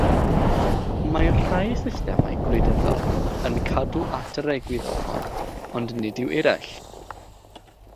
Mae rhai systemau gwleidyddol yn cadw at yr egwyddor hon, ond nid yw eraill.